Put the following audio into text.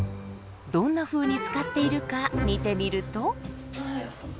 どんなふうに使っているか見てみると。